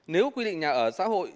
nếu quy định nhà ở xã hội